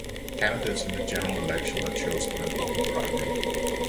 Candidates in the general election are chosen in an open primary.